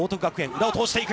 裏を通していく。